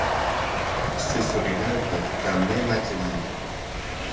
Ce serait l'œuvre d'un même atelier.